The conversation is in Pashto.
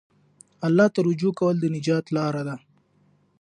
الله ته رجوع کول د نجات لاره ده.